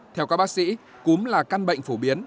theo các bác sĩ cúm là căn bệnh phổ biến